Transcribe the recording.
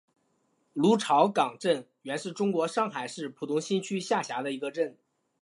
芦潮港镇原是中国上海市浦东新区下辖的一个镇。